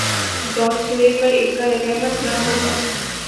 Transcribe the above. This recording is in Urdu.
ڈان سٹوری پر اس کا ردعمل کیا ہو گا؟